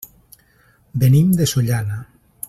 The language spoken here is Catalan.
Venim de Sollana.